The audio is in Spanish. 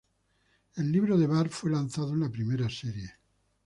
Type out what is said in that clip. El libro de Bart fue lanzado en la primera serie.